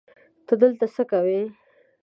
ته دلته څه کوی